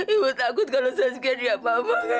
ibu takut kalau saskia tidak apa apa karena